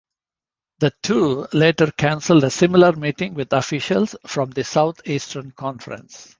The two later cancelled a similar meeting with officials from the Southeastern Conference.